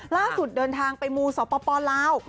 ล่าสุดเดินทางไปมูศศพปลาว